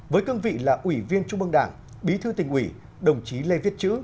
với cương vị là ủy viên trung mương đảng bí thư tỉnh ủy đồng chí lê viết chữ